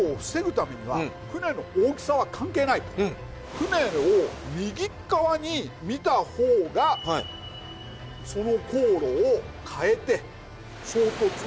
船を右側に見た方がその航路を変えて衝突を避ける。